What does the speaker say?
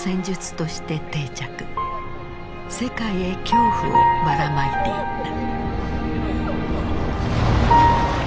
世界へ恐怖をばらまいていった。